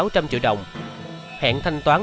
sáu trăm linh triệu đồng